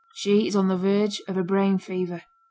She is on the verge of a brain fever.